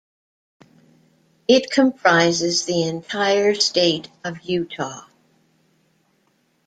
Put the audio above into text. It comprises the entire state of Utah.